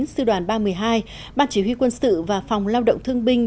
sư đoàn ba mươi hai ban chỉ huy quân sự và phòng lao động thương binh